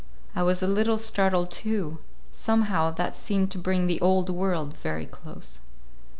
I was a little startled, too. Somehow, that seemed to bring the Old World very close.